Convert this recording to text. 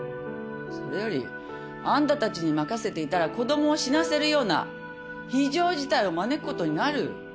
それよりあんたたちに任せていたら子供を死なせるような非常事態を招くことになる。